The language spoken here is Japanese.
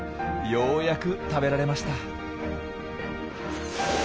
ようやく食べられました。